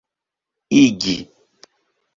igi